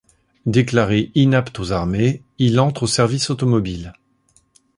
Déclaré inapte aux armées, il entre au service automobile.